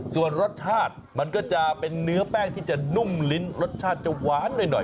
ส่วนรสชาติมันก็จะเป็นเนื้อแป้งที่จะนุ่มลิ้นรสชาติจะหวานหน่อย